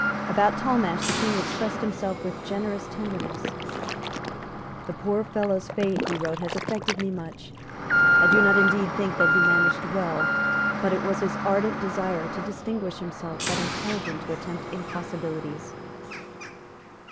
About Talmash the King expressed himself with generous tenderness. "The poor fellow's fate," he wrote, "has affected me much. I do not indeed think that he managed well; but it was his ardent desire to distinguish himself that impelled him to attempt impossibilities."